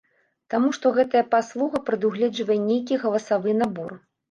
Таму што гэтая паслуга прадугледжвае нейкі галасавы набор.